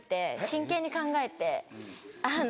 真剣に考えてる？